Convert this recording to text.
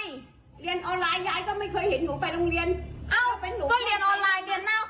เรียนออนไลน์ย้ายก็ไม่เคยเห็นหนูไปโรงเรียน